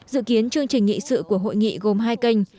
dự kiến chương trình nghị sự của hội nghị gồm hai kênh